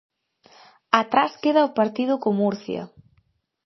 Atrás queda o partido co Murcia.